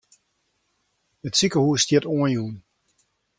It sikehús stiet oanjûn.